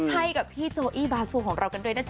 ให้กับพี่โจอี้บาซูของเรากันด้วยนะจ